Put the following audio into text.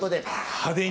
派手に。